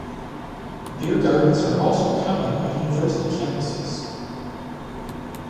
Beer gardens are also common on university campuses.